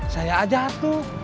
saya aja satu